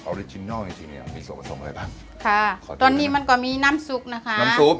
ออริจินัลจริงมีส่วนผสมอะไรบ้างค่ะตอนนี้มันก็มีน้ำซุปนะคะ